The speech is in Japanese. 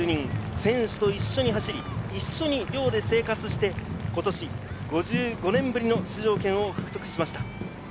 選手と一緒に走り、一緒に寮で生活して、今年５５年ぶりの出場権を獲得しました。